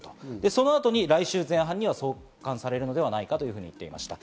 そのあとに来週前半には送還されるのではないかと言っていました。